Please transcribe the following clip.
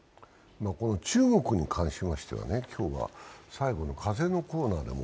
中国に関しましては、今日は最後に風のコーナーでも